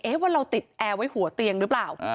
ว่าเราติดแอร์ไว้หัวเตียงหรือเปล่า